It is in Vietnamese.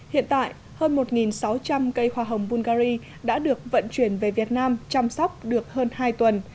hiện tại hơn một sáu trăm linh cây hoa hồng bulgari đã được vận chuyển về việt nam chăm sóc được hơn hai tuần